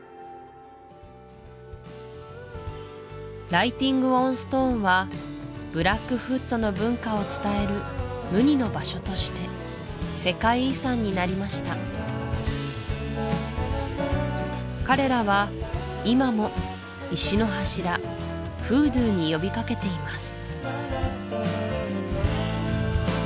ライティング・オン・ストーンはブラックフットの文化を伝える無二の場所として世界遺産になりました彼らは今も石の柱フードゥーに呼びかけています